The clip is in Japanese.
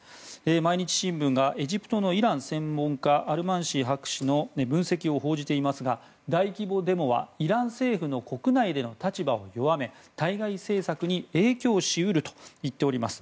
毎日新聞がエジプトのイラン専門家アルマンシー博士の分析を報じていますが大規模デモはイラン政府の国内での立場を弱め対外政策に影響し得ると言っております。